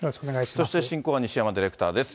そして進行は西山ディレクターです。